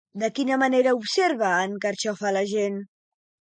De quina manera observava en Carxofa a la gent?